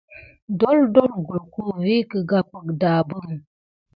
Doldol kulku vi kegampe dabin.